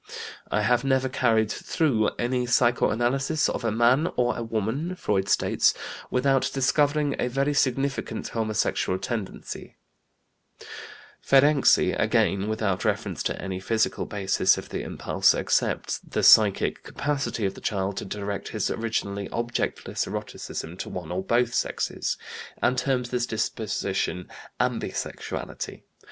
"I have never carried through any psychoanalysis of a man or a woman," Freud states, "without discovering a very significant homosexual tendency." Ferenczi, again (Jahrbuch für Psychoanalytische Forschungen, Bd. iii, 1911, p. 119), without reference to any physical basis of the impulse, accepts "the psychic capacity of the child to direct his originally objectless eroticism to one or both sexes," and terms this disposition ambisexuality.